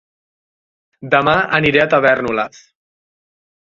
Dema aniré a Tavèrnoles